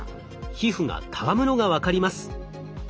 皮膚がたわむのが分かります。